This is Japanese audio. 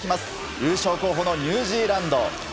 優勝候補のニュージーランド。